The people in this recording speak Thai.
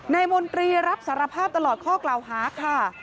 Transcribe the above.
มนตรีรับสารภาพตลอดข้อกล่าวหาค่ะ